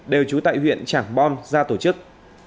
đều trú tại huyện trảng bom ra tổ chức